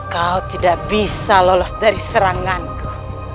kau tidak bisa lolos dari seranganku